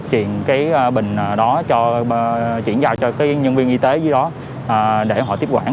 chuyển cái bình đó cho chuyển vào cho cái nhân viên y tế dưới đó để họ tiếp quản